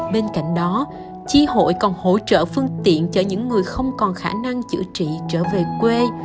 bên cạnh đó chi hội còn hỗ trợ phương tiện cho những người không còn khả năng chữa trị trở về quê